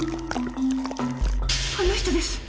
あの人です！